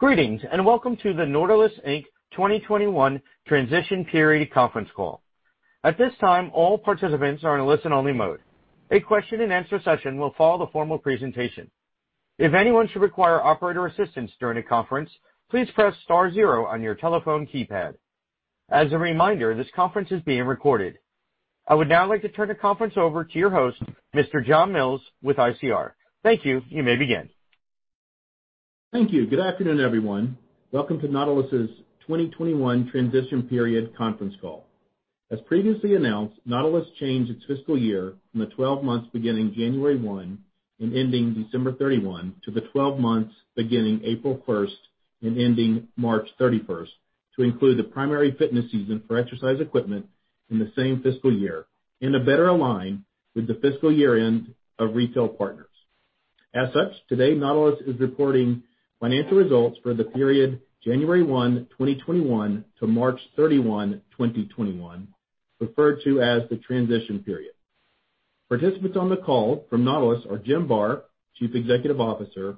Greetings, welcome to the Nautilus, Inc. 2021 Transition Period conference call. At this time, all participants are in listen-only mode. A Q&A session will follow the formal presentation. If anyone should require operator assistance during the conference, please press star zero on your telephone keypad. As a reminder, this conference is being recorded. I would now like to turn the conference over to your host, Mr. John Mills with ICR. Thank you. You may begin. Thank you. Good afternoon, everyone. Welcome to Nautilus' 2021 Transition Period conference call. As previously announced, Nautilus changed its fiscal year from the 12 months beginning January 1 and ending December 31 to the 12 months beginning April 1st and ending March 31st to include the primary fitness season for exercise equipment in the same fiscal year and to better align with the fiscal year-end of retail partners. As such, today, Nautilus is reporting financial results for the period January 1, 2021 to March 31, 2021, referred to as the Transition Period. Participants on the call from Nautilus are Jim Barr, Chief Executive Officer,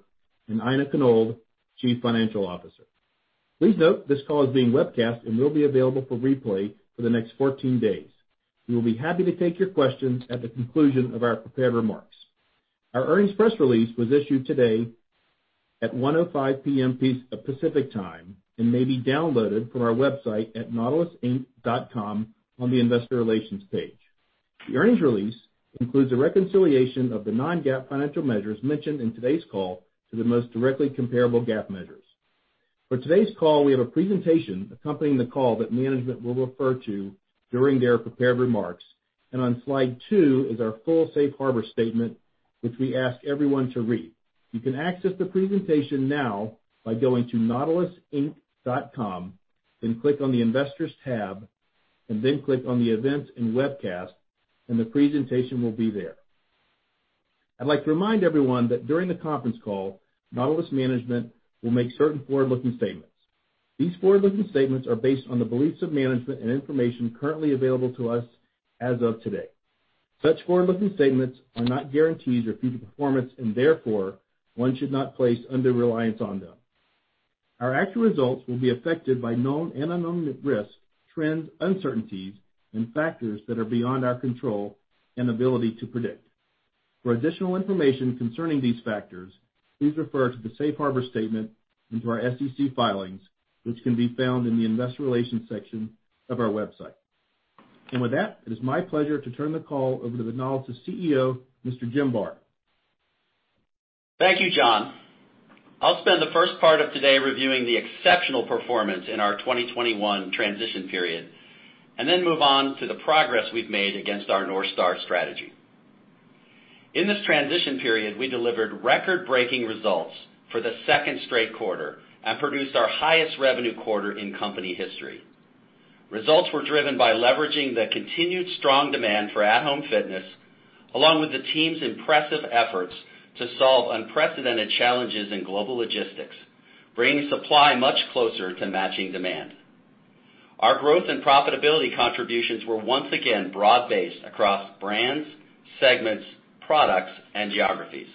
and Aina Konold, Chief Financial Officer. Please note this call is being webcast and will be available for replay for the next 14 days. We will be happy to take your questions at the conclusion of our prepared remarks. Our earnings press release was issued today at 1:05 P.M. Pacific Time and may be downloaded from our website at nautilusinc.com on the investor relations page. The earnings release includes a reconciliation of the non-GAAP financial measures mentioned in today's call to the most directly comparable GAAP measures. For today's call, we have a presentation accompanying the call that management will refer to during their prepared remarks. On Slide two is our full safe harbor statement, which we ask everyone to read. You can access the presentation now by going to nautilusinc.com, then click on the investors tab, and then click on the events and webcasts, and the presentation will be there. I'd like to remind everyone that during the conference call, Nautilus management will make certain forward-looking statements. These forward-looking statements are based on the beliefs of management and information currently available to us as of today. Such forward-looking statements are not guarantees of future performance, therefore, one should not place undue reliance on them. Our actual results will be affected by known and unknown risks, trends, uncertainties, and factors that are beyond our control and ability to predict. For additional information concerning these factors, please refer to the safe harbor statement and to our SEC filings, which can be found in the Investor Relations section of our website. With that, it is my pleasure to turn the call over to the Nautilus CEO, Mr. Jim Barr. Thank you, John. I'll spend the first part of today reviewing the exceptional performance in our 2021 Transition Period, then move on to the progress we've made against our North Star strategy. In this Transition Period, we delivered record-breaking results for the second straight quarter and produced our highest revenue quarter in company history. Results were driven by leveraging the continued strong demand for at-home fitness, along with the team's impressive efforts to solve unprecedented challenges in global logistics, bringing supply much closer to matching demand. Our growth and profitability contributions were once again broad-based across brands, segments, products, and geographies.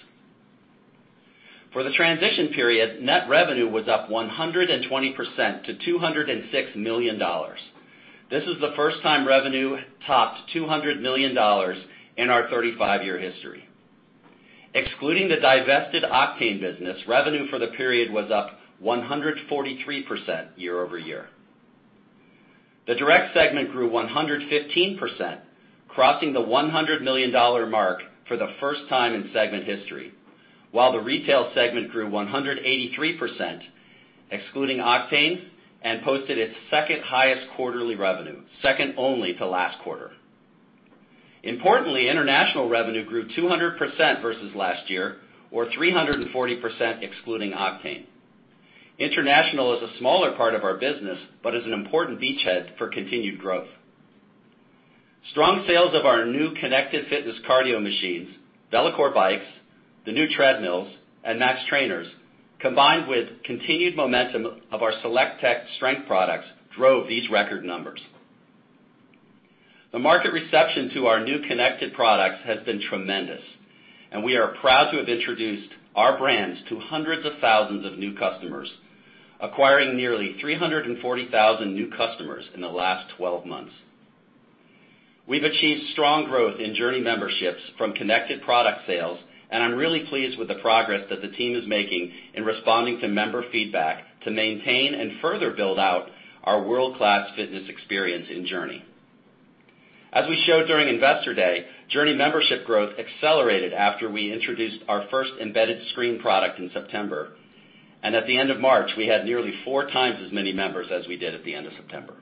For the Transition Period, net revenue was up 120% to $206 million. This is the first time revenue topped $200 million in our 35-year history. Excluding the divested Octane business, revenue for the period was up 143% year-over-year. The Direct segment grew 115%, crossing the $100 million mark for the first time in segment history, while the Retail segment grew 183%, excluding Octane, and posted its second highest quarterly revenue, second only to last quarter. Importantly, international revenue grew 200% versus last year or 340% excluding Octane. International is a smaller part of our business, but is an important beachhead for continued growth. Strong sales of our new connected fitness cardio machines, VeloCore bikes, the new treadmills, and Max Trainers, combined with continued momentum of our SelectTech strength products, drove these record numbers. The market reception to our new connected products has been tremendous, and we are proud to have introduced our brands to hundreds of thousands of new customers, acquiring nearly 340,000 new customers in the last 12 months. We've achieved strong growth in JRNY memberships from connected product sales, and I'm really pleased with the progress that the team is making in responding to member feedback to maintain and further build out our world-class fitness experience in JRNY. As we showed during Investor Day, JRNY membership growth accelerated after we introduced our first embedded screen product in September. At the end of March, we had nearly four times as many members as we did at the end of September.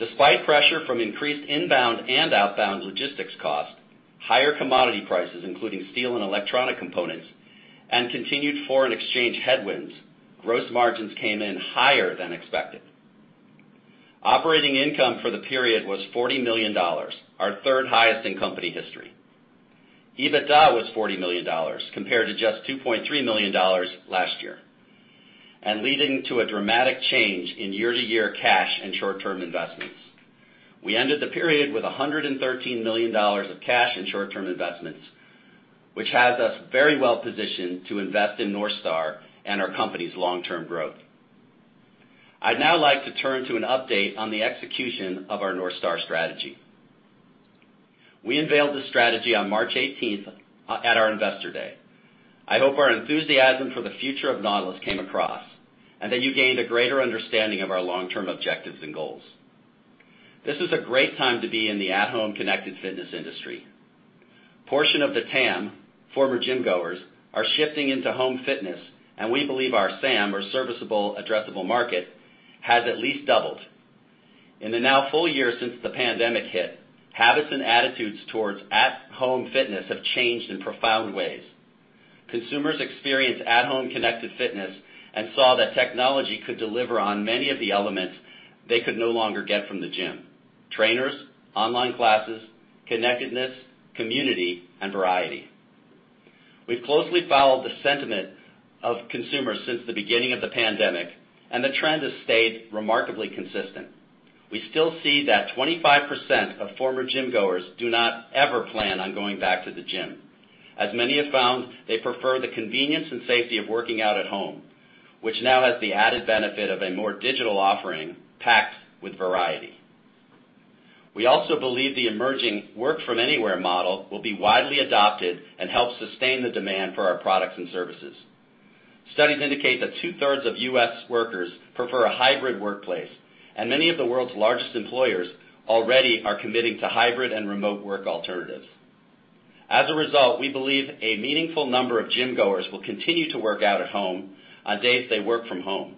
Despite pressure from increased inbound and outbound logistics cost, higher commodity prices, including steel and electronic components, and continued foreign exchange headwinds, gross margins came in higher than expected. Operating income for the period was $40 million, our third highest in company history. EBITDA was $40 million compared to just $2.3 million last year. Leading to a dramatic change in year-to-year cash and short-term investments. We ended the period with $113 million of cash and short-term investments, which has us very well-positioned to invest in North Star and our company's long-term growth. I'd now like to turn to an update on the execution of our North Star strategy. We unveiled this strategy on March 18th at our Investor Day. I hope our enthusiasm for the future of Nautilus came across, and that you gained a greater understanding of our long-term objectives and goals. This is a great time to be in the at-home connected fitness industry. Portion of the TAM, former gym-goers, are shifting into home fitness, and we believe our SAM, or serviceable addressable market, has at least doubled. In the now full year since the pandemic hit, habits and attitudes towards at-home fitness have changed in profound ways. Consumers experienced at-home connected fitness and saw that technology could deliver on many of the elements they could no longer get from the gym, trainers, online classes, connectedness, community, and variety. We've closely followed the sentiment of consumers since the beginning of the pandemic, and the trend has stayed remarkably consistent. We still see that 25% of former gym-goers do not ever plan on going back to the gym. As many have found, they prefer the convenience and safety of working out at home, which now has the added benefit of a more digital offering packed with variety. We also believe the emerging work-from-anywhere model will be widely adopted and help sustain the demand for our products and services. Studies indicate that two-thirds of U.S. workers prefer a hybrid workplace, and many of the world's largest employers already are committing to hybrid and remote work alternatives. As a result, we believe a meaningful number of gym-goers will continue to work out at home on days they work from home,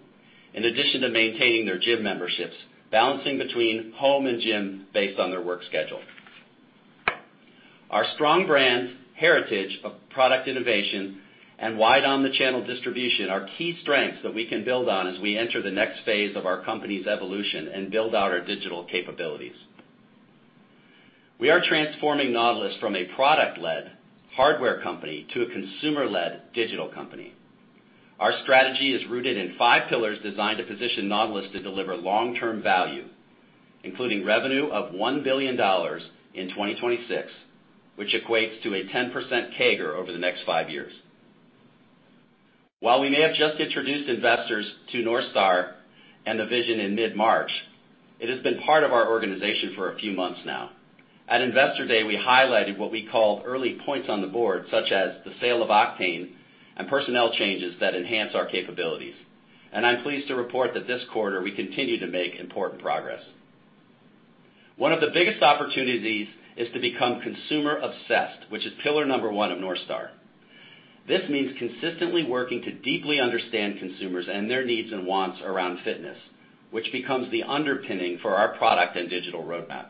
in addition to maintaining their gym memberships, balancing between home and gym based on their work schedule. Our strong brand heritage of product innovation and wide omni-channel distribution are key strengths that we can build on as we enter the next phase of our company's evolution and build out our digital capabilities. We are transforming Nautilus from a product-led hardware company to a consumer-led digital company. Our strategy is rooted in five pillars designed to position Nautilus to deliver long-term value, including revenue of $1 billion in 2026, which equates to a 10% CAGR over the next five years. While we may have just introduced investors to North Star and the vision in mid-March, it has been part of our organization for a few months now. At Investor Day, we highlighted what we called early points on the board, such as the sale of Octane and personnel changes that enhance our capabilities. I'm pleased to report that this quarter, we continue to make important progress. One of the biggest opportunities is to become consumer obsessed, which is pillar number one of North Star. This means consistently working to deeply understand consumers and their needs and wants around fitness, which becomes the underpinning for our product and digital roadmap.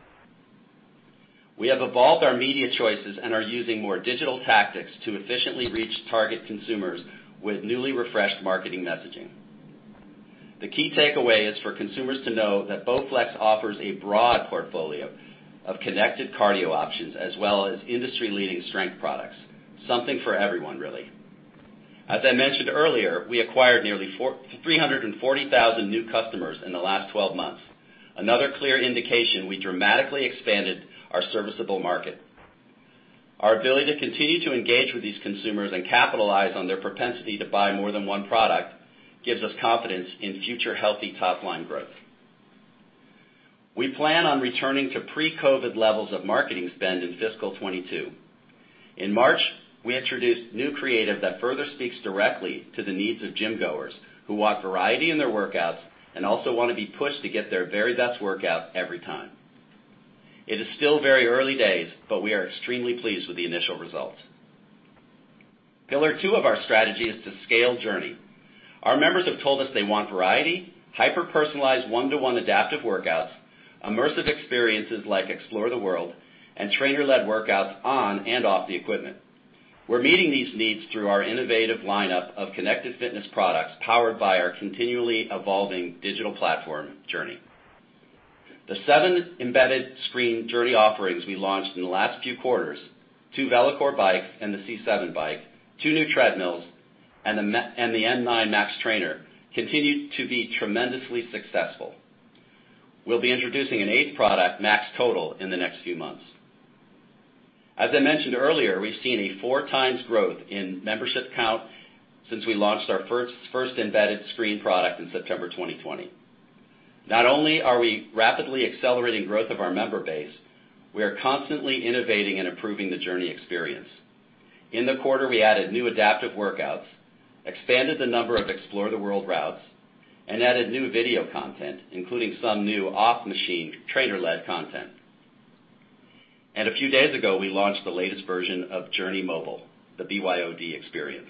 We have evolved our media choices and are using more digital tactics to efficiently reach target consumers with newly refreshed marketing messaging. The key takeaway is for consumers to know that BowFlex offers a broad portfolio of connected cardio options as well as industry-leading strength products. Something for everyone, really. As I mentioned earlier, we acquired nearly 340,000 new customers in the last 12 months. Another clear indication we dramatically expanded our serviceable market. Our ability to continue to engage with these consumers and capitalize on their propensity to buy more than one product gives us confidence in future healthy top-line growth. We plan on returning to pre-COVID levels of marketing spend in fiscal 2022. In March, we introduced new creative that further speaks directly to the needs of gym-goers who want variety in their workouts and also want to be pushed to get their very best workout every time. It is still very early days, but we are extremely pleased with the initial results. Pillar 2 of our strategy is to scale JRNY. Our members have told us they want variety, hyper-personalized one-to-one adaptive workouts, immersive experiences like Explore the World, and trainer-led workouts on and off the equipment. We're meeting these needs through our innovative lineup of connected fitness products powered by our continually evolving digital platform, JRNY. The seven embedded screen JRNY offerings we launched in the last few quarters, two VeloCore bikes and the C7 bike, two new treadmills, and the M9 Max Trainer, continue to be tremendously successful. We'll be introducing an eighth product, Max Total, in the next few months. As I mentioned earlier, we've seen a four times growth in membership count since we launched our first embedded screen product in September 2020. Not only are we rapidly accelerating growth of our member base, we are constantly innovating and improving the JRNY experience. In the quarter, we added new adaptive workouts, expanded the number of Explore the World routes, and added new video content, including some new off-machine, trainer-led content. A few days ago, we launched the latest version of JRNY Mobile, the BYOD experience.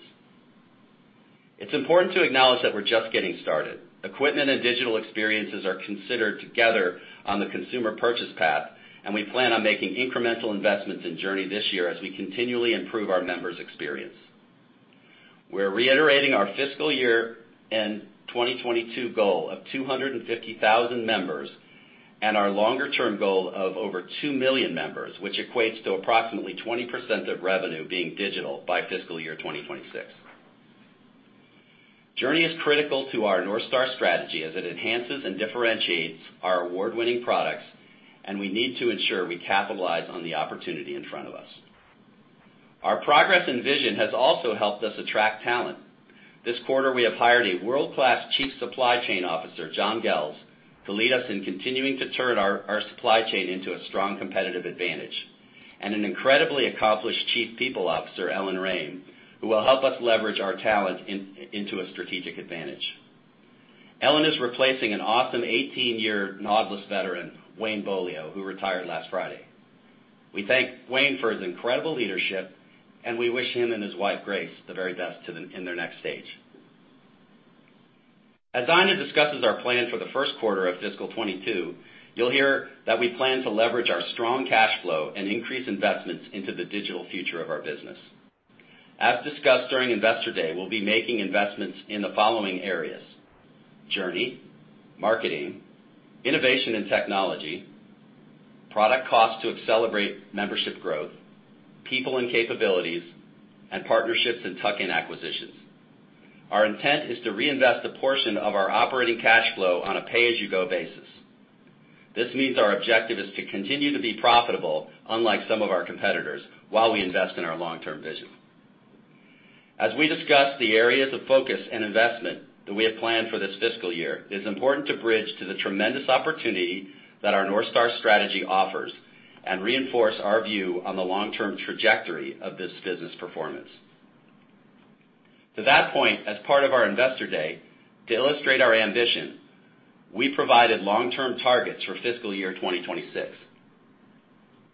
It's important to acknowledge that we're just getting started. Equipment and digital experiences are considered together on the consumer purchase path, and we plan on making incremental investments in JRNY this year as we continually improve our members' experience. We're reiterating our fiscal year and 2022 goal of 250,000 members. Our longer-term goal of over 2 million members, which equates to approximately 20% of revenue being digital by fiscal year 2026. JRNY is critical to our North Star strategy as it enhances and differentiates our award-winning products, and we need to ensure we capitalize on the opportunity in front of us. Our progress and vision has also helped us attract talent. This quarter, we have hired a world-class Chief Supply Chain Officer, John Goelz, to lead us in continuing to turn our supply chain into a strong competitive advantage, and an incredibly accomplished Chief People Officer, Ellen Raim, who will help us leverage our talent into a strategic advantage. Ellen is replacing an awesome 18-year Nautilus veteran, Wayne Bolio, who retired last Friday. We thank Wayne for his incredible leadership, and we wish him and his wife, Grace, the very best in their next stage. As Aina discusses our plan for the first quarter of fiscal 2022, you'll hear that we plan to leverage our strong cash flow and increase investments into the digital future of our business. As discussed during Investor Day, we'll be making investments in the following areas: JRNY, Marketing, Innovation and Technology, Product Cost to Accelerate Membership Growth, People and Capabilities, and Partnerships and Tuck-in Acquisitions. Our intent is to reinvest a portion of our operating cash flow on a pay-as-you-go basis. This means our objective is to continue to be profitable, unlike some of our competitors, while we invest in our long-term vision. As we discuss the areas of focus and investment that we have planned for this fiscal year, it is important to bridge to the tremendous opportunity that our North Star strategy offers and reinforce our view on the long-term trajectory of this business performance. To that point, as part of our Investor Day, to illustrate our ambition, we provided long-term targets for fiscal year 2026.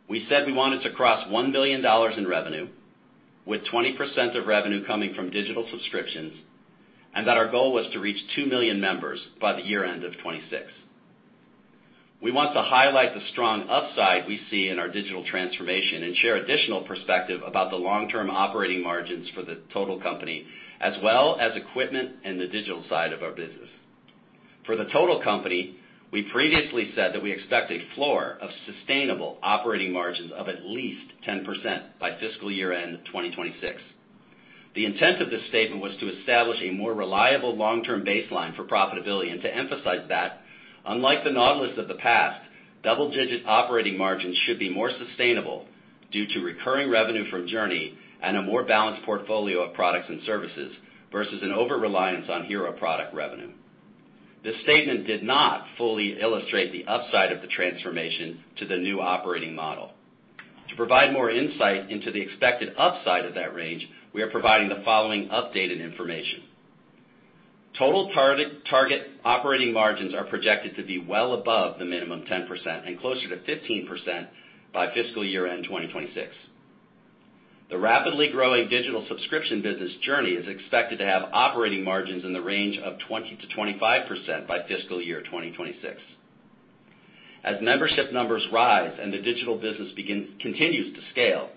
We said we wanted to cross $1 billion in revenue, with 20% of revenue coming from digital subscriptions, and that our goal was to reach 2 million members by the year-end of 2026. We want to highlight the strong upside we see in our digital transformation and share additional perspective about the long-term operating margins for the total company, as well as equipment and the digital side of our business. For the total company, we previously said that we expect a floor of sustainable operating margins of at least 10% by fiscal year-end 2026. The intent of this statement was to establish a more reliable long-term baseline for profitability and to emphasize that, unlike the Nautilus of the past, double-digit operating margins should be more sustainable due to recurring revenue from JRNY and a more balanced portfolio of products and services versus an overreliance on Hero product revenue. This statement did not fully illustrate the upside of the transformation to the new operating model. To provide more insight into the expected upside of that range, we are providing the following updated information. Total target operating margins are projected to be well above the minimum 10% and closer to 15% by fiscal year-end 2026. The rapidly growing digital subscription business, JRNY, is expected to have operating margins in the range of 20%-25% by fiscal year 2026. As membership numbers rise and the digital business continues to scale,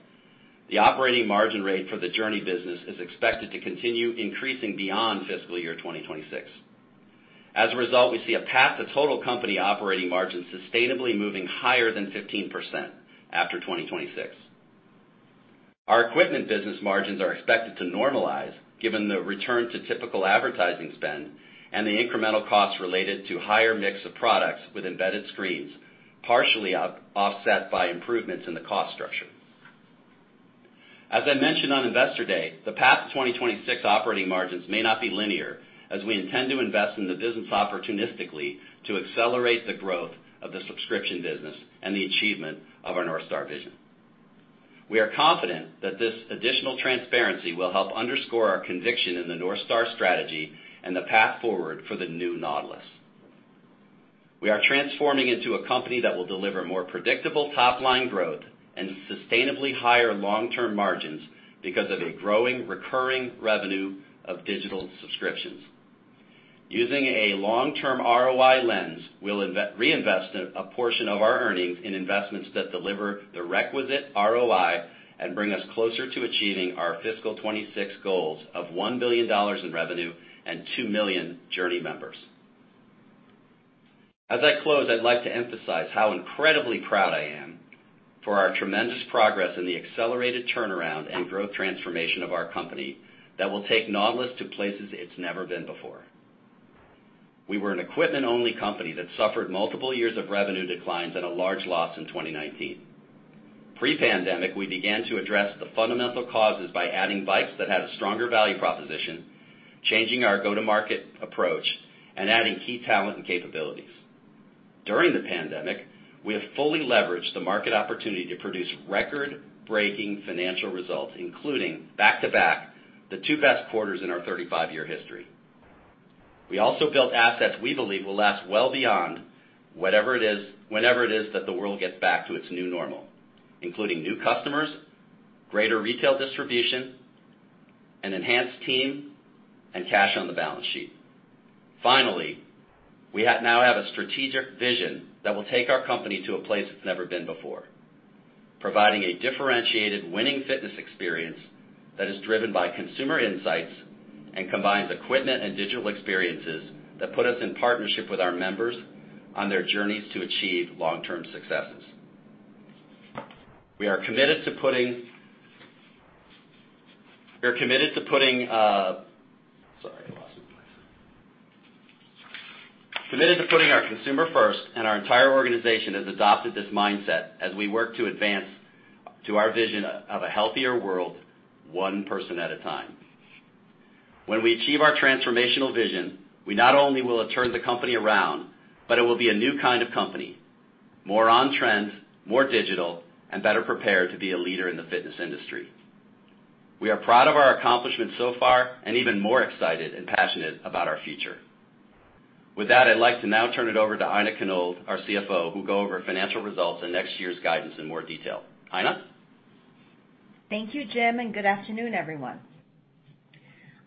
the operating margin rate for the JRNY business is expected to continue increasing beyond fiscal year 2026. As a result, we see a path to total company operating margins sustainably moving higher than 15% after 2026. Our equipment business margins are expected to normalize given the return to typical advertising spend and the incremental costs related to higher mix of products with embedded screens, partially offset by improvements in the cost structure. As I mentioned on Investor Day, the path to 2026 operating margins may not be linear, as we intend to invest in the business opportunistically to accelerate the growth of the subscription business and the achievement of our North Star vision. We are confident that this additional transparency will help underscore our conviction in the North Star strategy and the path forward for the new Nautilus. We are transforming into a company that will deliver more predictable top-line growth and sustainably higher long-term margins because of a growing recurring revenue of digital subscriptions. Using a long-term ROI lens, we'll reinvest a portion of our earnings in investments that deliver the requisite ROI and bring us closer to achieving our fiscal 2026 goals of $1 billion in revenue and 2 million JRNY members. As I close, I'd like to emphasize how incredibly proud I am for our tremendous progress in the accelerated turnaround and growth transformation of our company that will take Nautilus to places it's never been before. We were an equipment-only company that suffered multiple years of revenue declines and a large loss in 2019. Pre-pandemic, we began to address the fundamental causes by adding bikes that had a stronger value proposition, changing our go-to-market approach, and adding key talent and capabilities. During the pandemic, we have fully leveraged the market opportunity to produce record-breaking financial results, including back-to-back, the two best quarters in our 35-year history. We also built assets we believe will last well beyond whenever it is that the world gets back to its new normal, including new customers, greater retail distribution, an enhanced team, and cash on the balance sheet. Finally, we now have a strategic vision that will take our company to a place it's never been before. Providing a differentiated winning fitness experience that is driven by consumer insights and combines equipment and digital experiences that put us in partnership with our members on their journeys to achieve long-term successes. We are committed to putting our consumer first, and our entire organization has adopted this mindset as we work to advance to our vision of a healthier world, one person at a time. When we achieve our transformational vision, we not only will have turned the company around, but it will be a new kind of company, more on-trend, more digital, and better prepared to be a leader in the fitness industry. We are proud of our accomplishments so far and even more excited and passionate about our future. With that, I'd like to now turn it over to Aina Konold, our CFO, who'll go over financial results and next year's guidance in more detail. Aina? Thank you, Jim, and good afternoon, everyone.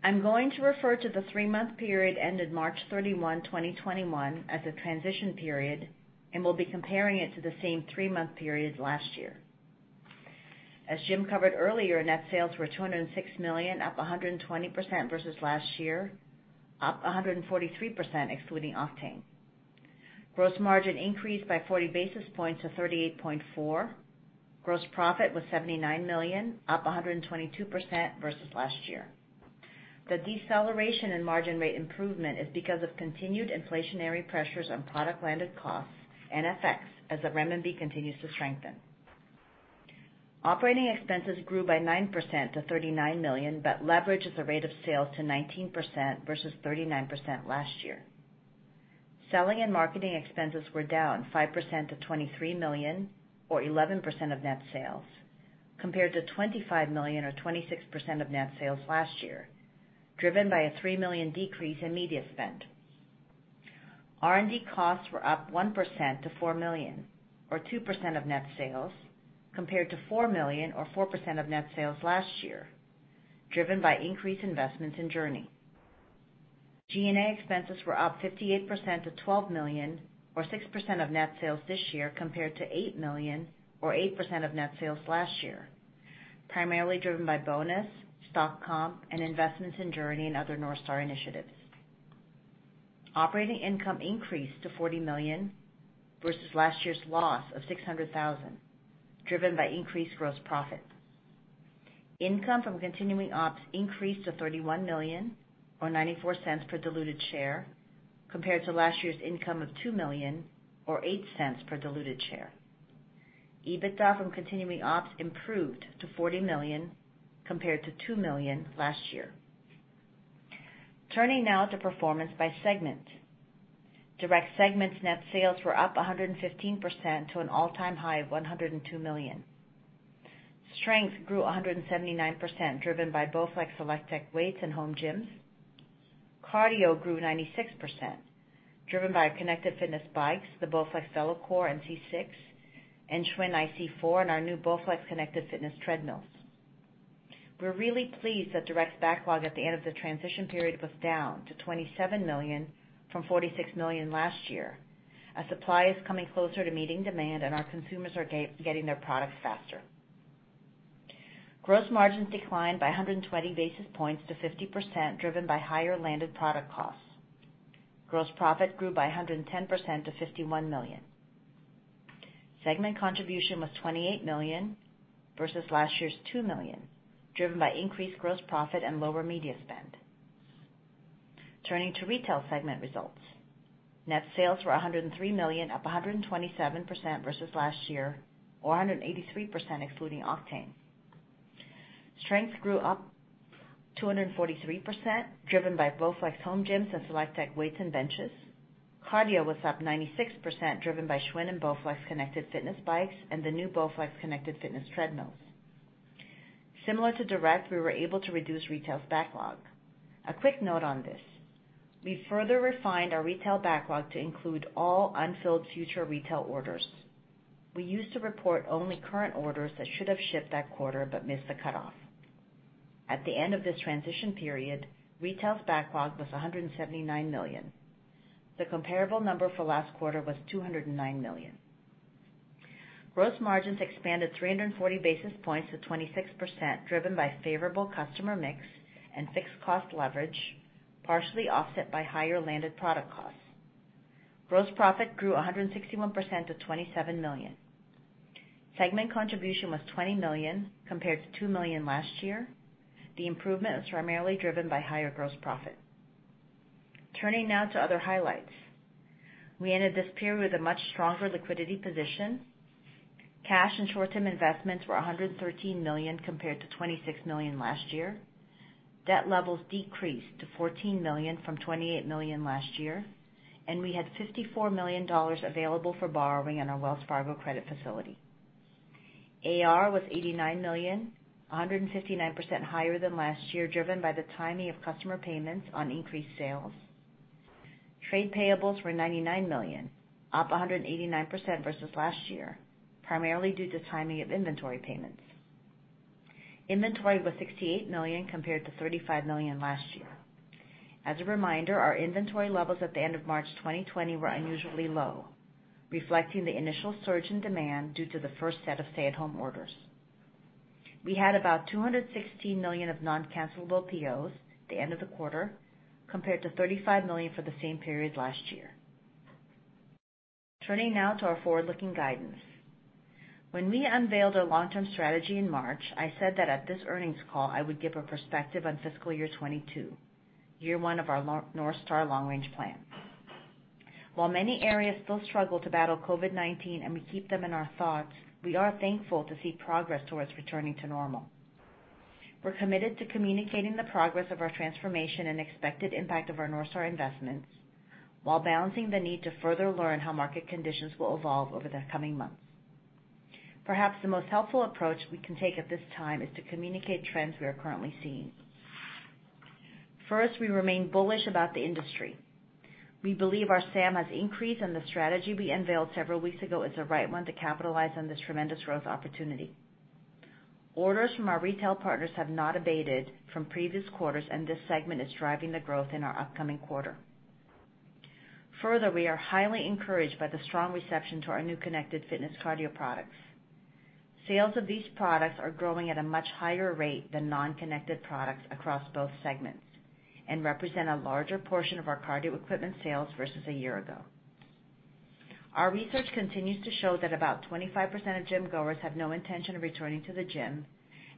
I'm going to refer to the three-month period ended March 31, 2021, as a transition period, and we'll be comparing it to the same three-month period last year. As Jim covered earlier, net sales were $206 million, up 120% versus last year, up 143% excluding Octane. Gross margin increased by 40 basis points to 38.4%. Gross profit was $79 million, up 122% versus last year. The deceleration in margin rate improvement is because of continued inflationary pressures on product landed costs and FX, as the RMB continues to strengthen. Operating expenses grew by 9% to $39 million, leverage is the rate of sales to 19% versus 39% last year. Selling and marketing expenses were down 5% to $23 million or 11% of net sales, compared to $25 million or 26% of net sales last year, driven by a $3 million decrease in media spend. R&D costs were up 1% to $4 million or 2% of net sales, compared to $4 million or 4% of net sales last year, driven by increased investments in JRNY. G&A expenses were up 58% to $12 million or 6% of net sales this year compared to $8 million or 8% of net sales last year, primarily driven by bonus, stock comp, and investments in JRNY and other North Star initiatives. Operating income increased to $40 million versus last year's loss of $600,000, driven by increased gross profit. Income from continuing ops increased to $31 million or $0.94 per diluted share compared to last year's income of $2 million or $0.08 per diluted share. EBITDA from continuing ops improved to $40 million compared to $2 million last year. Turning now to performance by segment. Direct segment's net sales were up 115% to an all-time high of $102 million. Strength grew 179%, driven by BowFlex SelectTech weights and home gyms. Cardio grew 96%, driven by connected fitness bikes, the BowFlex VeloCore, and C6, and Schwinn IC4, and our new BowFlex Connected Fitness treadmills. We're really pleased that Direct's backlog at the end of the transition period was down to $27 million from $46 million last year, as supply is coming closer to meeting demand and our consumers are getting their products faster. Gross margins declined by 120 basis points to 50%, driven by higher landed product costs. Gross profit grew by 110% to $51 million. Segment contribution was $28 million versus last year's $2 million, driven by increased gross profit and lower media spend. Turning to Retail segment results. Net sales were $103 million, up 127% versus last year or 183% excluding Octane. Strength grew up 243%, driven by BowFlex home gyms and SelectTech weights and benches. Cardio was up 96%, driven by Schwinn and BowFlex connected fitness bikes and the new BowFlex connected fitness treadmills. Similar to Direct, we were able to reduce Retail's backlog. A quick note on this. We further refined our retail backlog to include all unfilled future retail orders. We used to report only current orders that should have shipped that quarter but missed the cutoff. At the end of this transition period, Retail's backlog was $179 million. The comparable number for last quarter was $209 million. Gross margins expanded 340 basis points to 26%, driven by favorable customer mix and fixed cost leverage, partially offset by higher landed product costs. Gross profit grew 161% to $27 million. Segment contribution was $20 million compared to $2 million last year. The improvement was primarily driven by higher gross profit. Turning now to other highlights. We ended this period with a much stronger liquidity position. Cash and short-term investments were $113 million compared to $26 million last year. Debt levels decreased to $14 million from $28 million last year, and we had $54 million available for borrowing on our Wells Fargo credit facility. AR was $89 million, 159% higher than last year, driven by the timing of customer payments on increased sales. Trade payables were $99 million, up 189% versus last year, primarily due to timing of inventory payments. Inventory was $68 million compared to $35 million last year. As a reminder, our inventory levels at the end of March 2020 were unusually low, reflecting the initial surge in demand due to the first set of stay-at-home orders. We had about $216 million of non-cancelable POs at the end of the quarter, compared to $35 million for the same period last year. Turning now to our forward-looking guidance. When we unveiled our long-term strategy in March, I said that at this earnings call I would give a perspective on fiscal year 2022, year one of our North Star long range plan. While many areas still struggle to battle COVID-19 and we keep them in our thoughts, we are thankful to see progress towards returning to normal. We're committed to communicating the progress of our transformation and expected impact of our North Star investments while balancing the need to further learn how market conditions will evolve over the coming months. Perhaps the most helpful approach we can take at this time is to communicate trends we are currently seeing. First, we remain bullish about the industry. We believe our SAM has increased, and the strategy we unveiled several weeks ago is the right one to capitalize on this tremendous growth opportunity. Orders from our retail partners have not abated from previous quarters, and this segment is driving the growth in our upcoming quarter. Further, we are highly encouraged by the strong reception to our new connected fitness cardio products. Sales of these products are growing at a much higher rate than non-connected products across both segments and represent a larger portion of our cardio equipment sales versus a year ago. Our research continues to show that about 25% of gym-goers have no intention of returning to the gym,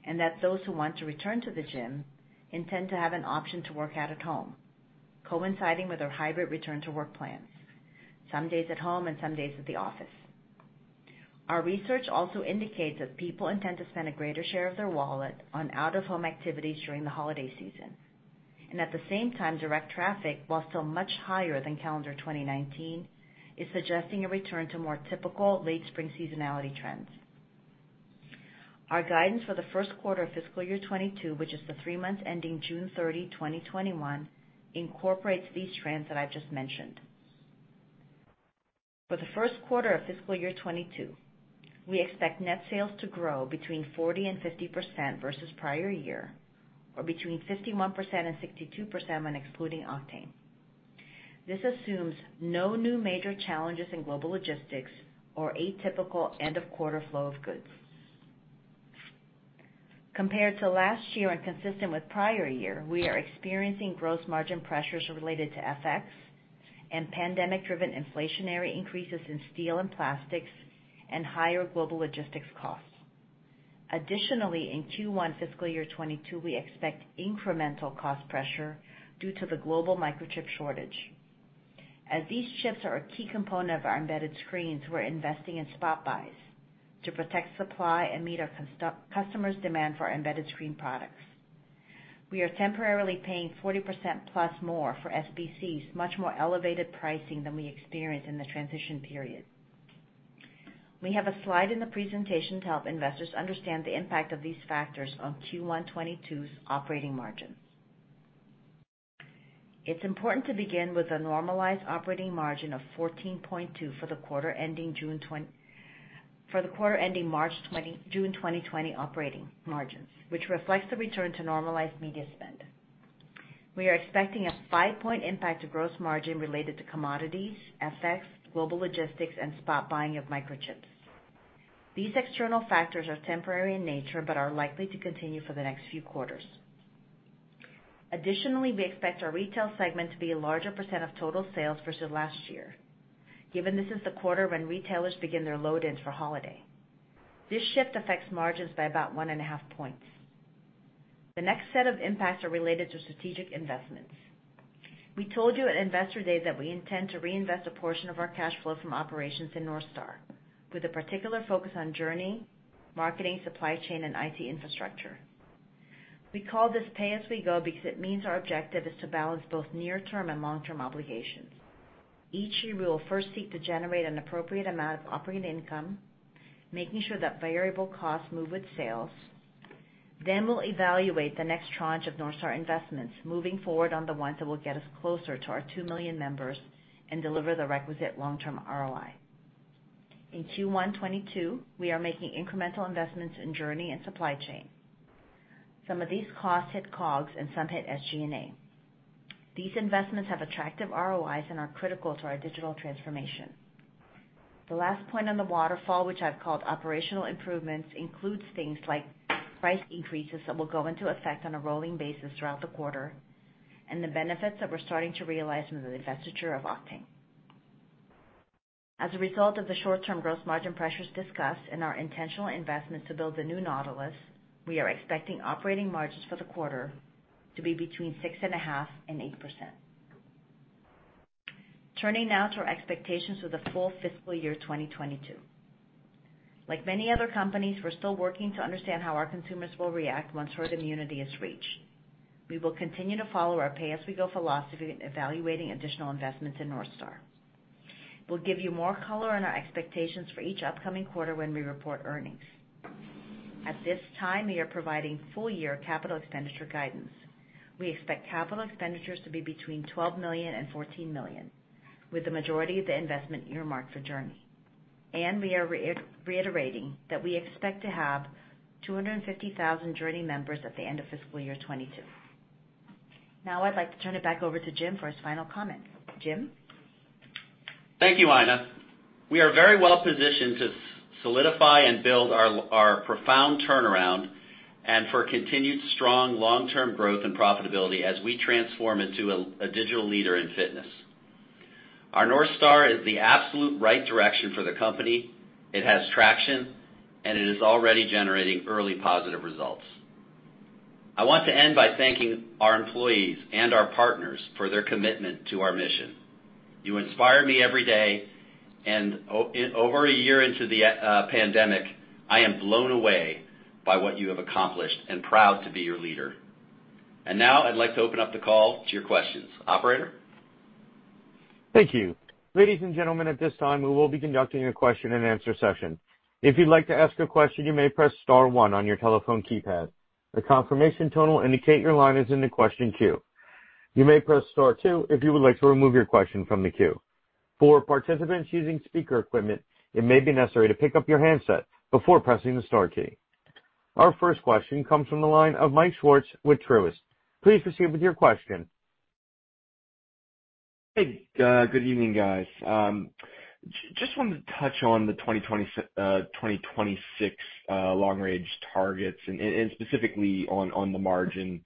and that those who want to return to the gym intend to have an option to work out at home, coinciding with a hybrid return to work plans, some days at home and some days at the office. Our research also indicates that people intend to spend a greater share of their wallet on out-of-home activities during the holiday season. At the same time, direct traffic, while still much higher than calendar 2019, is suggesting a return to more typical late spring seasonality trends. Our guidance for the first quarter of fiscal year 2022, which is the three months ending June 30, 2021, incorporates these trends that I've just mentioned. For the first quarter of fiscal year 2022, we expect net sales to grow between 40% and 50% versus prior year, or between 51% and 62% when excluding Octane. This assumes no new major challenges in global logistics or atypical end-of-quarter flow of goods. Compared to last year and consistent with prior year, we are experiencing gross margin pressures related to FX and pandemic-driven inflationary increases in steel and plastics and higher global logistics costs. Additionally, in Q1 fiscal year 2022, we expect incremental cost pressure due to the global microchip shortage. As these chips are a key component of our embedded screens, we're investing in spot buys to protect supply and meet our customers' demand for our embedded screen products. We are temporarily paying 40% plus more for SBCs, much more elevated pricing than we experienced in the transition period. We have a slide in the presentation to help investors understand the impact of these factors on Q1 2022's operating margins. It's important to begin with a normalized operating margin of 14.2% for the quarter ending June 2020 operating margins, which reflects the return to normalized media spend. We are expecting a five-point impact to gross margin related to commodities, FX, global logistics, and spot buying of microchips. These external factors are temporary in nature but are likely to continue for the next few quarters. Additionally, we expect our retail segment to be a larger percent of total sales versus last year, given this is the quarter when retailers begin their load-ins for holiday. This shift affects margins by about 1.5 points. The next set of impacts are related to strategic investments. We told you at Investor Day that we intend to reinvest a portion of our cash flow from operations in North Star, with a particular focus on JRNY, marketing, supply chain, and IT infrastructure. We call this pay as we go because it means our objective is to balance both near-term and long-term obligations. Each year, we will first seek to generate an appropriate amount of operating income, making sure that variable costs move with sales. We'll evaluate the next tranche of North Star investments, moving forward on the ones that will get us closer to our 2 million members and deliver the requisite long-term ROI. In Q1 2022, we are making incremental investments in JRNY and supply chain. Some of these costs hit COGS and some hit SG&A. These investments have attractive ROIs and are critical to our digital transformation. The last point on the waterfall, which I've called operational improvements, includes things like price increases that will go into effect on a rolling basis throughout the quarter and the benefits that we're starting to realize from the divestiture of Octane. As a result of the short-term gross margin pressures discussed and our intentional investments to build the new Nautilus, we are expecting operating margins for the quarter to be between 6.5% and 8%. Turning now to our expectations for the full fiscal year 2022. Like many other companies, we're still working to understand how our consumers will react once herd immunity is reached. We will continue to follow our pay-as-we-go philosophy in evaluating additional investments in North Star. We'll give you more color on our expectations for each upcoming quarter when we report earnings. At this time, we are providing full-year capital expenditure guidance. We expect capital expenditures to be between $12 million and $14 million, with the majority of the investment earmarked for JRNY. We are reiterating that we expect to have 250,000 JRNY members at the end of fiscal year 2022. Now, I'd like to turn it back over to Jim for his final comments. Jim? Thank you, Aina. We are very well-positioned to solidify and build our profound turnaround and for continued strong long-term growth and profitability as we transform into a digital leader in fitness. Our North Star is the absolute right direction for the company. It has traction, it is already generating early positive results. I want to end by thanking our employees and our partners for their commitment to our mission. You inspire me every day, over a year into the pandemic, I am blown away by what you have accomplished, and proud to be your leader. Now I'd like to open up the call to your questions. Operator? Thank you. Ladies and gentlemen, at this time we will be conducting a Q&A session. If you'd like to ask a question, you may press star one on your telephone keypad. A confirmation tone will indicate your line is in the question queue. You may press star two if you would like to remove your question from the queue. For participants using speaker equipment, it may be necessary to pick your handset before pressing the star key. Our first question comes from the line of Mike Schwartz with Truist. Please proceed with your question. Hey. Good evening, guys. Just wanted to touch on the 2026 long-range targets and specifically on the margin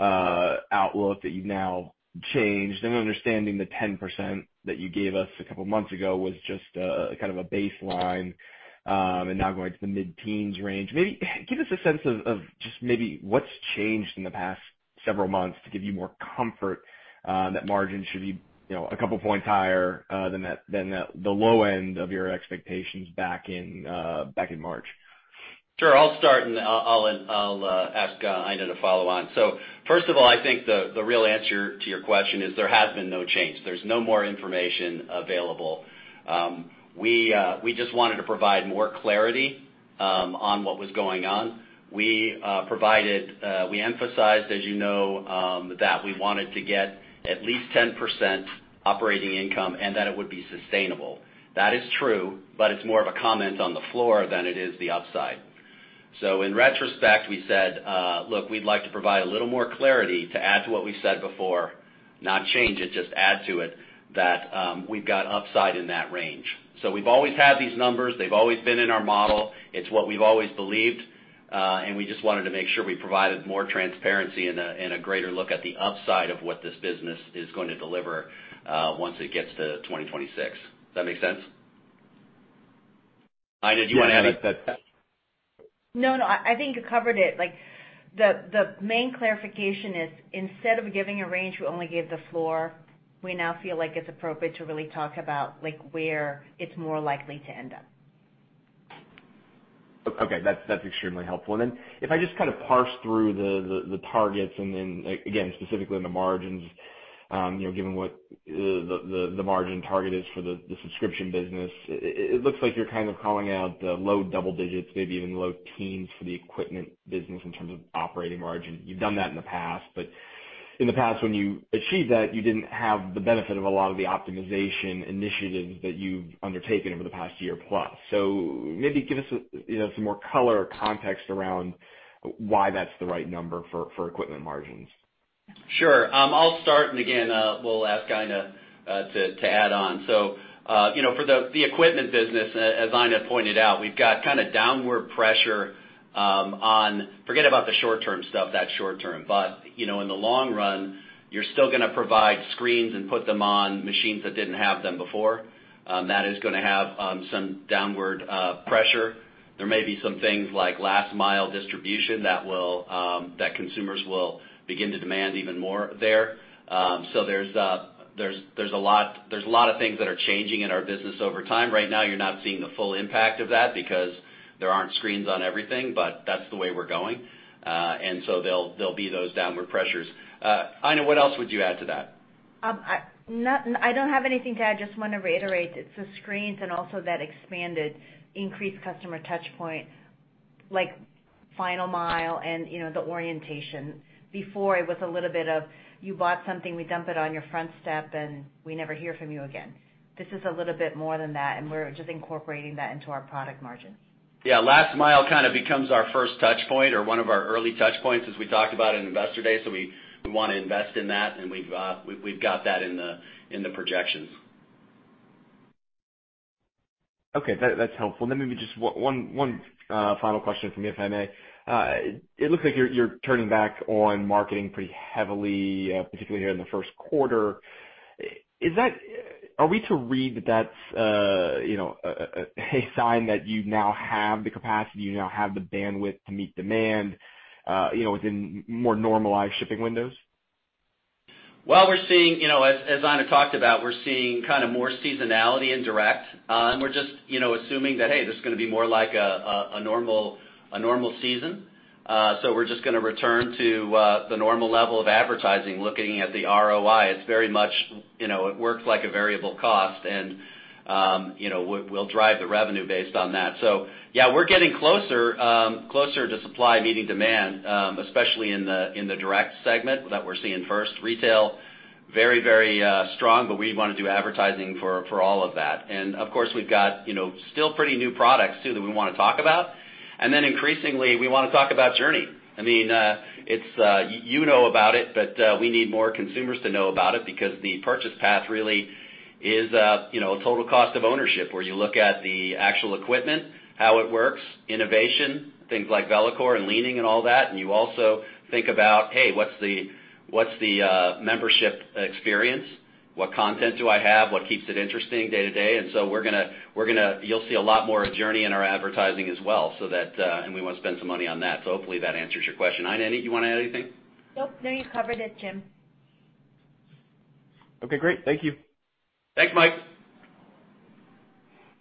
outlook that you've now changed. I'm understanding the 10% that you gave us a couple of months ago was just a kind of a baseline, and now going to the mid-teens range. Maybe give us a sense of just maybe what's changed in the past several months to give you more comfort that margin should be a couple points higher than the low end of your expectations back in March. Sure. I'll start, I'll ask Aina to follow on. First of all, I think the real answer to your question is there has been no change. There's no more information available. We just wanted to provide more clarity on what was going on. We emphasized, as you know, that we wanted to get at least 10% operating income and that it would be sustainable. That is true, it's more of a comment on the floor than it is the upside. In retrospect, we said, look, we'd like to provide a little more clarity to add to what we said before, not change it, just add to it, that we've got upside in that range. We've always had these numbers. They've always been in our model. It's what we've always believed. We just wanted to make sure we provided more transparency and a greater look at the upside of what this business is going to deliver once it gets to 2026. Does that make sense? Aina, did you want to add anything? No, I think you covered it. The main clarification is instead of giving a range, we only gave the floor. We now feel like it's appropriate to really talk about where it's more likely to end up. Okay. That's extremely helpful. Then if I just kind of parse through the targets and then again, specifically in the margins, given what the margin target is for the subscription business, it looks like you're kind of calling out the low double digits, maybe even low teens for the equipment business in terms of operating margin. You've done that in the past, but in the past, when you achieved that, you didn't have the benefit of a lot of the optimization initiatives that you've undertaken over the past year plus. Maybe give us some more color or context around why that's the right number for equipment margins. Sure. I'll start, and again, we'll ask Aina to add on. For the equipment business, as Aina pointed out, we've got kind of downward pressure on forget about the short-term stuff, that's short-term, but in the long run, you're still going to provide screens and put them on machines that didn't have them before. That is going to have some downward pressure. There may be some things like last-mile distribution that consumers will begin to demand even more there. There's a lot of things that are changing in our business over time. Right now, you're not seeing the full impact of that because there aren't screens on everything, but that's the way we're going. There'll be those downward pressures. Aina, what else would you add to that? I don't have anything to add. Just want to reiterate, it's the screens and also that expanded increased customer touchpoint, like final mile and the orientation. Before, it was a little bit of you bought something, we dump it on your front step, and we never hear from you again. This is a little bit more than that, and we're just incorporating that into our product margins. Last mile kind of becomes our first touch point or one of our early touch points as we talked about in Investor Day. We want to invest in that, and we've got that in the projections. Okay, that's helpful. Maybe just one final question from me, if I may. It looks like you're turning back on marketing pretty heavily, particularly here in the first quarter. Are we to read that that's a sign that you now have the capacity, you now have the bandwidth to meet demand within more normalized shipping windows? Well, as Aina talked about, we're seeing kind of more seasonality in direct. We're just assuming that, hey, this is going to be more like a normal season. We're just going to return to the normal level of advertising, looking at the ROI. It works like a variable cost, and we'll drive the revenue based on that. Yeah, we're getting closer to supply meeting demand, especially in the direct segment that we're seeing first. Retail. Very, very strong, but we want to do advertising for all of that. Of course, we've got still pretty new products too that we want to talk about. Increasingly, we want to talk about JRNY. You know about it, but we need more consumers to know about it because the purchase path really is a total cost of ownership where you look at the actual equipment, how it works, innovation, things like VeloCore and leaning and all that. You also think about, Hey, what's the membership experience? What content do I have? What keeps it interesting day to day? You'll see a lot more of JRNY in our advertising as well, and we want to spend some money on that. Hopefully that answers your question. Aina, you want to add anything? Nope. No, you covered it, Jim. Okay, great. Thank you. Thanks, Mike.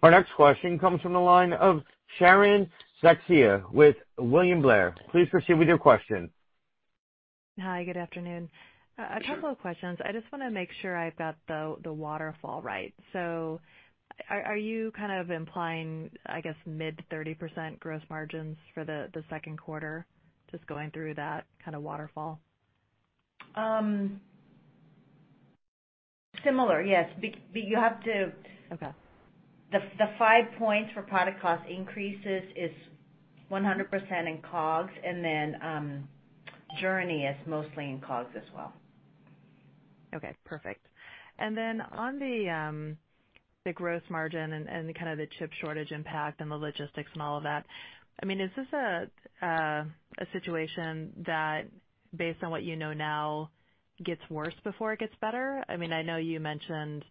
Our next question comes from the line of Sharon Zackfia with William Blair. Please proceed with your question. Hi, good afternoon. Sure. A couple of questions. I just want to make sure I've got the waterfall right. Are you kind of implying, I guess mid-30% gross margins for the second quarter, just going through that kind of waterfall? Similar, yes. Okay. The five points for product cost increases is 100% in COGS, and then JRNY is mostly in COGS as well. Okay, perfect. Then on the gross margin and the kind of the chip shortage impact and the logistics and all of that, is this a situation that, based on what you know now, gets worse before it gets better? I know you mentioned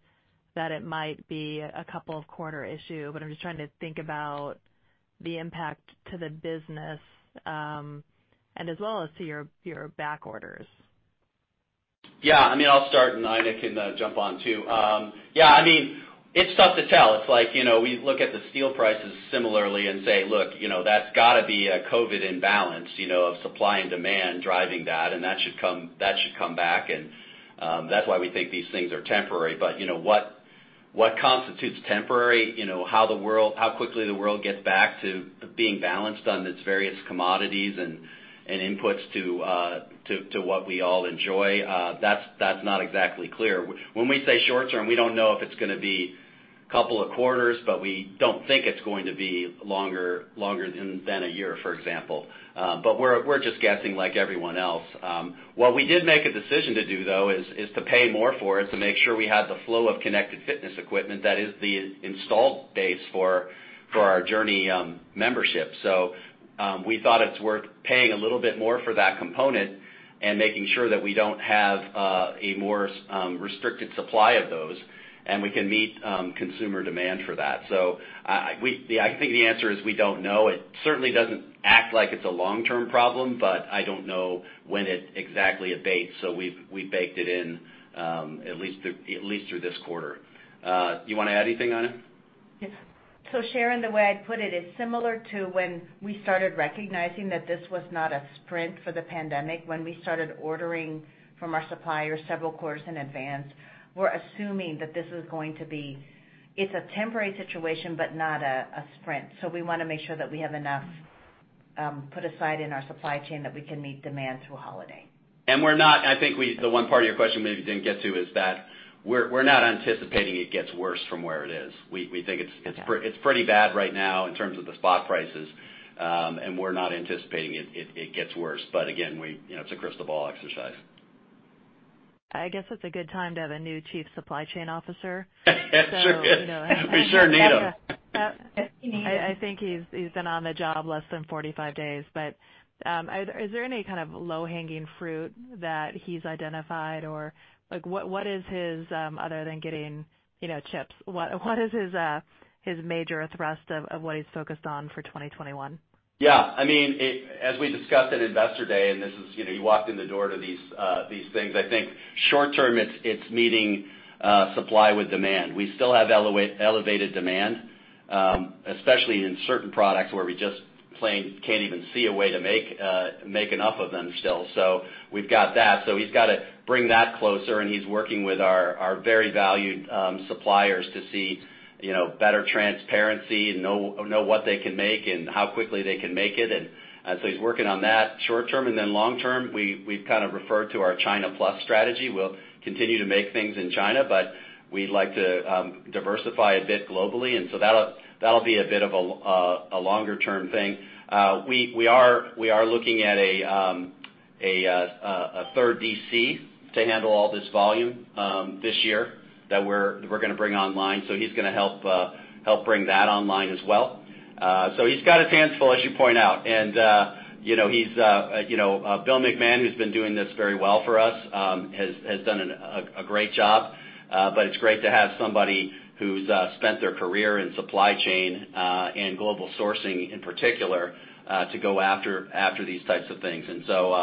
that it might be a couple of quarter issue, but I'm just trying to think about the impact to the business, and as well as to your back orders. Yeah. I'll start and Aina can jump on too. It's tough to tell. It's like we look at the steel prices similarly and say, Look, that's got to be a COVID imbalance of supply and demand driving that, and that should come back. That's why we think these things are temporary. What constitutes temporary? How quickly the world gets back to being balanced on its various commodities and inputs to what we all enjoy, that's not exactly clear. When we say short-term, we don't know if it's going to be a couple of quarters, but we don't think it's going to be longer than a year, for example. We're just guessing like everyone else. What we did make a decision to do, though, is to pay more for it to make sure we have the flow of connected fitness equipment that is the installed base for our JRNY membership. We thought it's worth paying a little bit more for that component and making sure that we don't have a more restricted supply of those, and we can meet consumer demand for that. I think the answer is we don't know. It certainly doesn't act like it's a long-term problem, I don't know when it exactly abates. We've baked it in at least through this quarter. Do you want to add anything on it? Yes. Sharon, the way I'd put it is similar to when we started recognizing that this was not a sprint for the pandemic, when we started ordering from our suppliers several quarters in advance. We're assuming that this is going to be a temporary situation, but not a sprint. We want to make sure that we have enough put aside in our supply chain that we can meet demand through holiday. The one part of your question maybe didn't get to is that we're not anticipating it gets worse from where it is. Okay. We think it's pretty bad right now in terms of the spot prices, and we're not anticipating it gets worse. Again, it's a crystal ball exercise. I guess it's a good time to have a new Chief Supply Chain Officer. Sure. We sure need him. I think he's been on the job less than 45 days. Is there any kind of low-hanging fruit that he's identified? Other than getting chips, what is his major thrust of what he's focused on for 2021? Yeah. As we discussed at Investor Day, and you walked in the door to these things, I think short term, it's meeting supply with demand. We still have elevated demand, especially in certain products where we just plain can't even see a way to make enough of them still. We've got that. He's got to bring that closer, and he's working with our very valued suppliers to see better transparency and know what they can make and how quickly they can make it. He's working on that short term. Long term, we've kind of referred to our China Plus strategy. We'll continue to make things in China, but we'd like to diversify a bit globally. That'll be a bit of a longer-term thing. We are looking at a third DC to handle all this volume this year that we're going to bring online. He's going to help bring that online as well. He's got his hands full, as you point out. William McMahon, who's been doing this very well for us, has done a great job. It's great to have somebody who's spent their career in supply chain and global sourcing in particular to go after these types of things.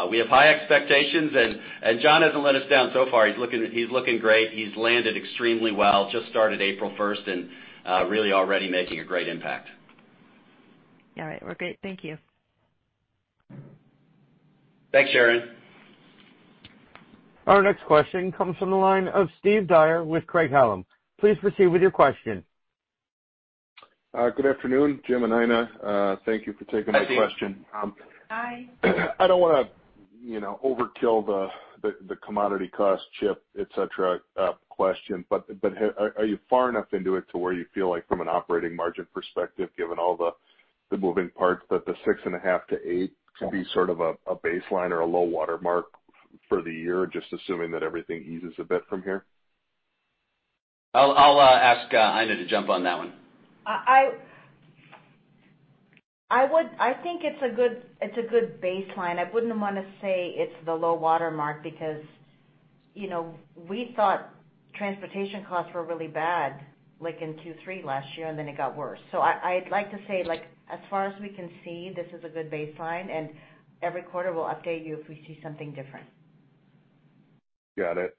We have high expectations, and John hasn't let us down so far. He's looking great. He's landed extremely well. Just started April 1st and really already making a great impact. All right. Well, great. Thank you. Thanks, Sharon. Our next question comes from the line of Steve Dyer with Craig-Hallum. Please proceed with your question. Good afternoon, Jim and Aina. Thank you for taking my question. Hi, Steve. Hi. I don't want to overkill the commodity cost chip, et cetera, question. Are you far enough into it to where you feel like from an operating margin perspective, given all the moving parts, that the 6.5%-8% could be sort of a baseline or a low water mark for the year, just assuming that everything eases a bit from here? I'll ask Aina to jump on that one. I think it's a good baseline. I wouldn't want to say it's the low water mark because we thought transportation costs were really bad, like in Q3 last year, and then it got worse. I'd like to say, as far as we can see, this is a good baseline, and every quarter, we'll update you if we see something different. Got it.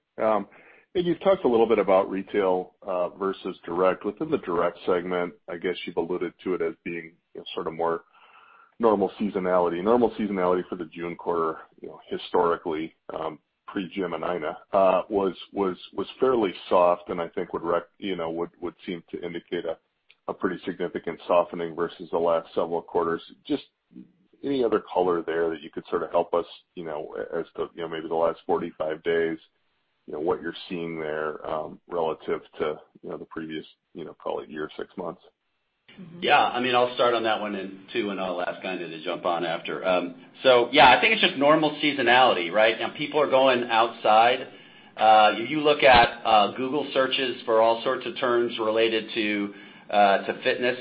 You've talked a little bit about retail versus direct. Within the direct segment, I guess you've alluded to it as being sort of more normal seasonality. Normal seasonality for the June quarter historically, pre Jim and Aina, was fairly soft and I think would seem to indicate a pretty significant softening versus the last several quarters. Any other color there that you could sort of help us, as to maybe the last 45 days, what you're seeing there, relative to the previous call it year or six months? Yeah. I'll start on that one too, and I'll ask Aina to jump on after. Yeah, I think it's just normal seasonality, right? People are going outside. You look at Google searches for all sorts of terms related to fitness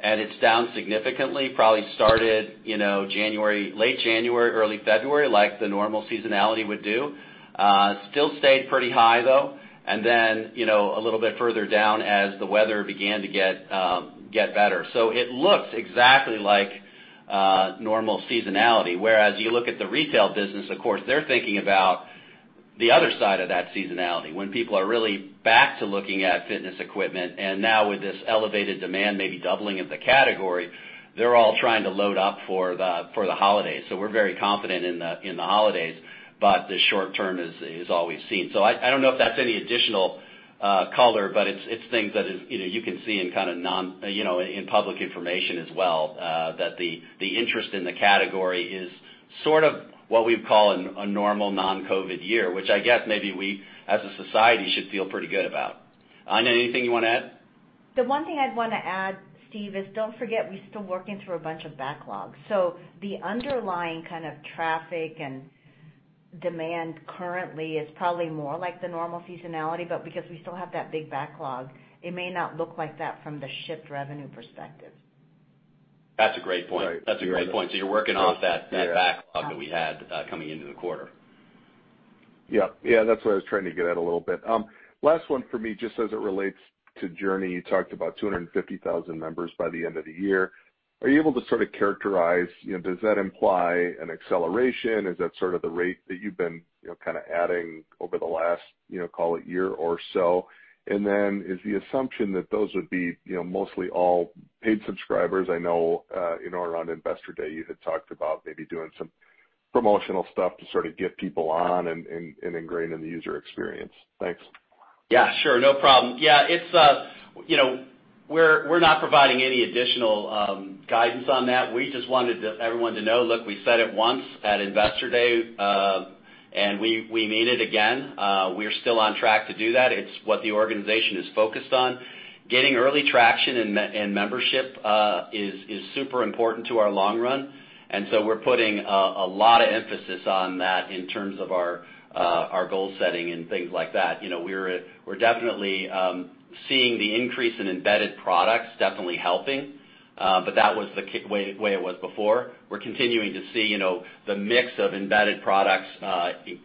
and it's down significantly. Probably started late January, early February, like the normal seasonality would do. Still stayed pretty high, though. Then, a little bit further down as the weather began to get better. It looks exactly like normal seasonality, whereas you look at the retail business, of course, they're thinking about the other side of that seasonality, when people are really back to looking at fitness equipment. Now with this elevated demand maybe doubling of the category, they're all trying to load up for the holidays. We're very confident in the holidays. The short term is always seen. I don't know if that's any additional color, but it's things that you can see in public information as well, that the interest in the category is sort of what we'd call a normal non-COVID year, which I guess maybe we, as a society, should feel pretty good about. Aina, anything you want to add? The one thing I'd want to add, Steve, is don't forget we're still working through a bunch of backlogs. The underlying kind of traffic and demand currently is probably more like the normal seasonality. Because we still have that big backlog, it may not look like that from the shipped revenue perspective. That's a great point. You're working off that backlog that we had coming into the quarter. Yeah. That's what I was trying to get at a little bit. Last one for me, just as it relates to JRNY. You talked about 250,000 members by the end of the year. Are you able to sort of characterize, does that imply an acceleration? Is that sort of the rate that you've been kind of adding over the last call it year or so? And then is the assumption that those would be mostly all paid subscribers? I know in or around Investor Day, you had talked about maybe doing some promotional stuff to sort of get people on and ingrain in the user experience. Thanks. Sure. No problem. We're not providing any additional guidance on that. We just wanted everyone to know, look, we said it once at Investor Day. We mean it again. We're still on track to do that. It's what the organization is focused on. Getting early traction and membership is super important to our long run. We're putting a lot of emphasis on that in terms of our goal setting and things like that. We're definitely seeing the increase in embedded products definitely helping. That was the way it was before. We're continuing to see the mix of embedded products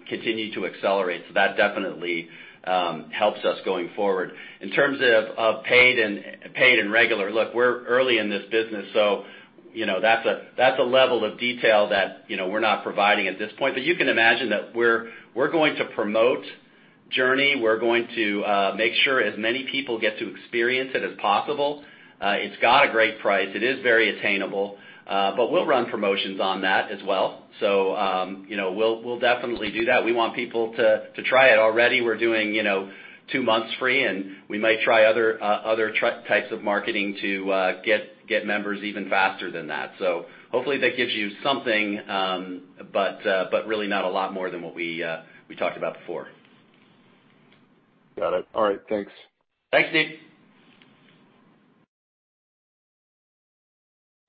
continue to accelerate. That definitely helps us going forward. In terms of paid and regular, look, we're early in this business. That's a level of detail that we're not providing at this point. You can imagine that we're going to promote JRNY. We're going to make sure as many people get to experience it as possible. It's got a great price. It is very attainable. We'll run promotions on that as well. We'll definitely do that. We want people to try it. Already, we're doing two months free, and we might try other types of marketing to get members even faster than that. Hopefully, that gives you something, but really not a lot more than what we talked about before. Got it. All right. Thanks. Thanks, Steve.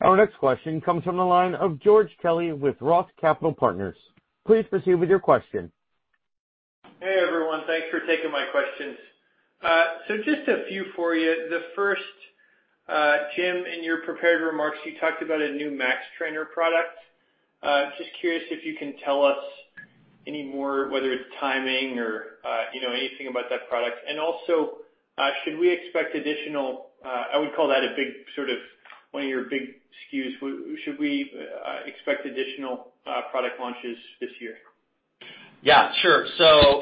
Our next question comes from the line of George Kelly with Roth Capital Partners. Please proceed with your question. Hey, everyone. Thanks for taking my questions. Just a few for you. The first, Jim, in your prepared remarks, you talked about a new Max Trainer product. Just curious if you can tell us any more, whether it's timing or anything about that product. Should we expect additional, I would call that a big sort of, one of your big SKUs. Should we expect additional product launches this year? Yeah, sure.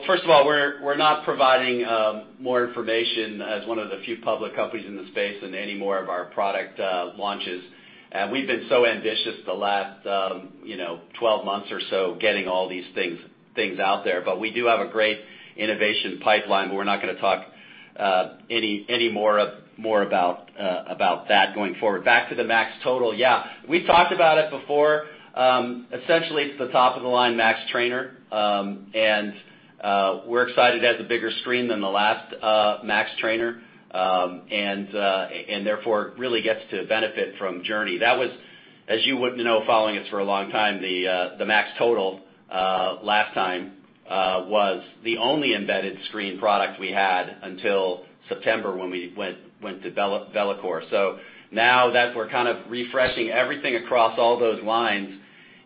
First of all, we're not providing more information as one of the few public companies in the space than any more of our product launches. We've been so ambitious the last 12 months or so getting all these things out there, but we do have a great innovation pipeline, but we're not going to talk any more about that going forward. Back to the Max Total, yeah. We've talked about it before. Essentially it's the top-of-the-line Max Trainer, and we're excited it has a bigger screen than the last Max Trainer, and therefore it really gets to benefit from JRNY. That was, as you would know, following us for a long time, the Max Total last time was the only embedded screen product we had until September when we went to VeloCore. Now that we're kind of refreshing everything across all those lines,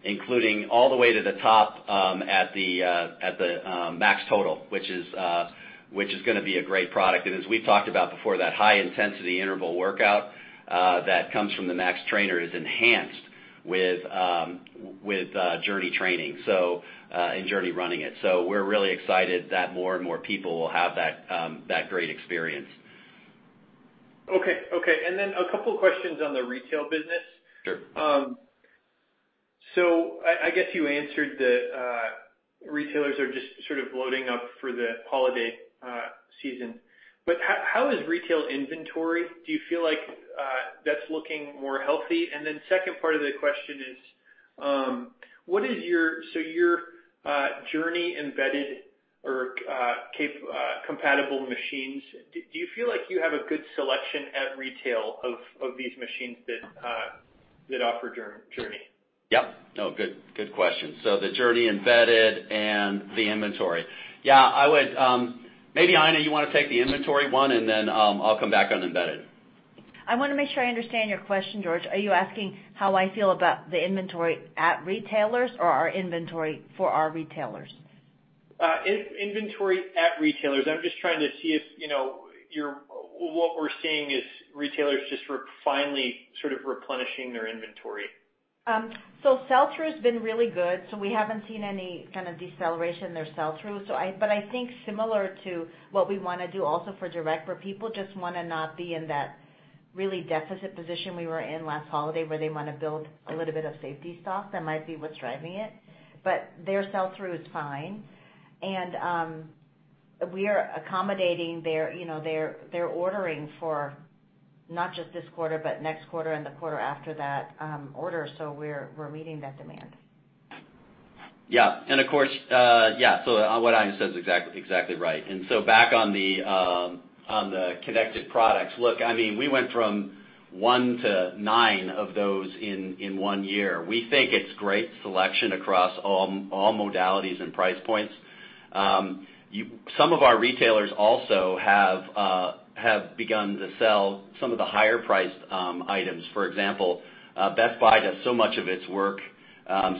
including all the way to the top at the Max Total, which is going to be a great product. As we've talked about before, that high-intensity interval workout that comes from the Max Trainer is enhanced with JRNY training, and JRNY running it. We're really excited that more and more people will have that great experience. Okay. A couple questions on the retail business. Sure. I guess you answered the retailers are just sort of loading up for the holiday season. How is retail inventory? Do you feel like that's looking more healthy? Second part of the question is, your JRNY-embedded or compatible machines, do you feel like you have a good selection at retail of these machines that offer JRNY? Yep. No, good question. The JRNY embedded and the inventory. Maybe, Aina, you want to take the inventory one, and then I'll come back on embedded. I want to make sure I understand your question, George. Are you asking how I feel about the inventory at retailers or our inventory for our retailers? Inventory at retailers. I'm just trying to see if what we're seeing is retailers just finally sort of replenishing their inventory. Sell-through's been really good, so we haven't seen any kind of deceleration their sell-through. I think similar to what we want to do also for direct, where people just want to not be in that really deficit position we were in last holiday, where they want to build a little bit of safety stock, that might be what's driving it. Their sell-through is fine, and we are accommodating their ordering for not just this quarter, but next quarter and the quarter after that order. We're meeting that demand. Yeah. What Aina said is exactly right. Back on the connected products. Look, we went from one to nine of those in one year. We think it's great selection across all modalities and price points. Some of our retailers also have begun to sell some of the higher-priced items. For example, Best Buy does so much of its work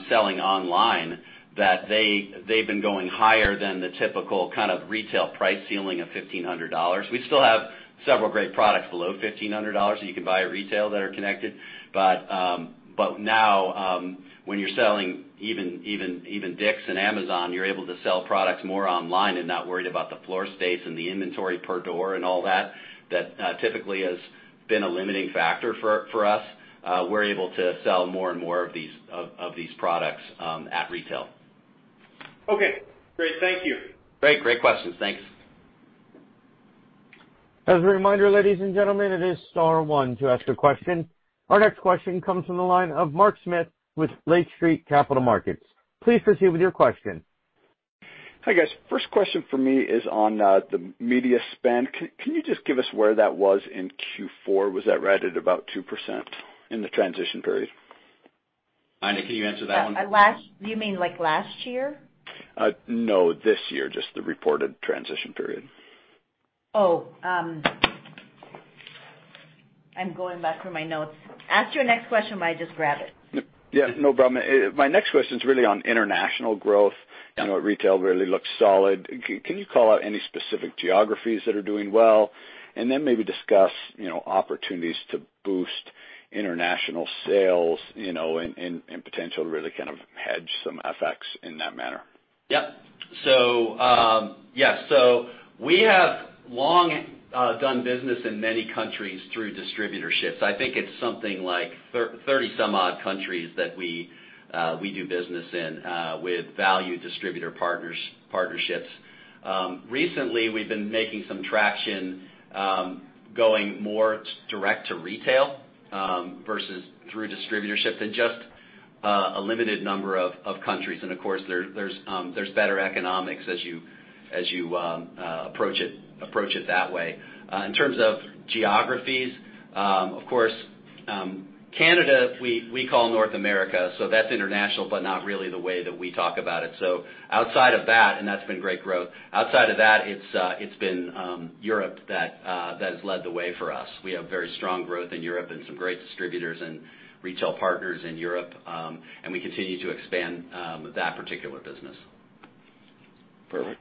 selling online that they've been going higher than the typical kind of retail price ceiling of $1,500. We still have several great products below $1,500 that you can buy at retail that are connected. Now, when you're selling even Dick's and Amazon, you're able to sell products more online and not worried about the floor space and the inventory per door and all that typically has been a limiting factor for us. We're able to sell more and more of these products at retail. Okay, great. Thank you. Great questions. Thanks. As a reminder, ladies and gentlemen, it is star one to ask a question. Our next question comes from the line of Mark Smith with Lake Street Capital Markets. Hi, guys. First question for me is on the media spend. Can you just give us where that was in Q4? Was that right at about 2% in the transition period? Aina, can you answer that one? You mean like last year? No, this year, just the reported transition period. Oh. I'm going back through my notes. Ask your next question while I just grab it. Yeah, no problem. My next question's really on international growth. I know retail really looks solid. Can you call out any specific geographies that are doing well? Maybe discuss opportunities to boost international sales, and potential to really kind of hedge some FX in that manner. Yep. We have long done business in many countries through distributorships. I think it's something like 30-some odd countries that we do business in with value distributor partnerships. Recently, we've been making some traction going more direct to retail versus through distributorship in just a limited number of countries. Of course, there's better economics as you approach it that way. In terms of geographies, of course Canada we call North America, so that's international, but not really the way that we talk about it. Outside of that, and that's been great growth, outside of that, it's been Europe that has led the way for us. We have very strong growth in Europe and some great distributors and retail partners in Europe, and we continue to expand that particular business. Perfect.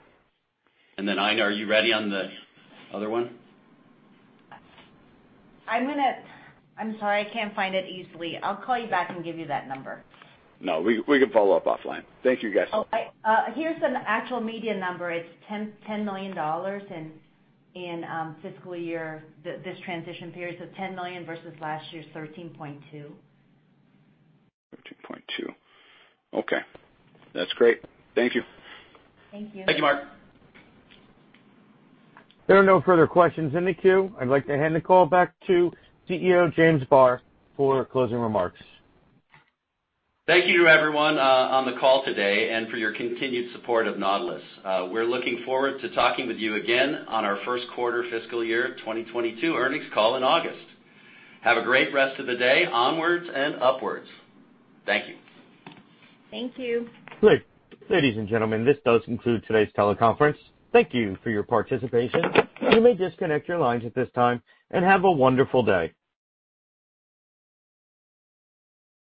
Aina, are you ready on the other one? I'm sorry, I can't find it easily. I'll call you back and give you that number. No, we can follow up offline. Thank you, guys. Oh, here's an actual media number. It's $10 million in this transition period, so $10 million versus last year's $13.2. $13.2. Okay, that's great. Thank you. Thank you. Thank you, Mark. There are no further questions in the queue. I'd like to hand the call back to CEO James Barr for closing remarks. Thank you to everyone on the call today, and for your continued support of Nautilus. We're looking forward to talking with you again on our first quarter fiscal year 2022 earnings call in August. Have a great rest of the day. Onwards and upwards. Thank you. Thank you. Ladies and gentlemen, this does conclude today's teleconference. Thank you for your participation. You may disconnect your lines at this time, and have a wonderful day.